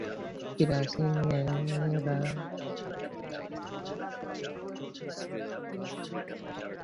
প্রাচীনেরা তাহাদের অতীত দুষ্কর্মের চিন্তায় মগ্ন।